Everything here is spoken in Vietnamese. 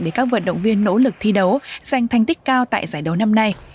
để các vận động viên nỗ lực thi đấu giành thành tích cao tại giải đấu năm nay